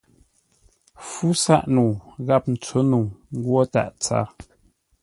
Fú sáʼ-nəu gháp ntsǒ-nəu ngwó tâʼ tsâr.